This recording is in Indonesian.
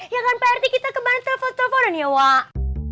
ya kan pak rt kita kemarin telepon teleponan ya wak